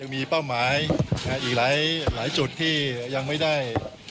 มีเป้าหมายอีกหลายจุดที่ยังไม่ได้